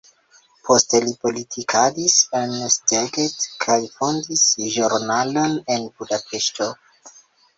Poste li politikadis en Szeged kaj fondis ĵurnalon en Budapeŝto.